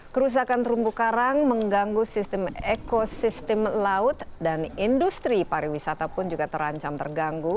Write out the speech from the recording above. kerusakan terumbu karang mengganggu sistem ekosistem laut dan industri pariwisata pun juga terancam terganggu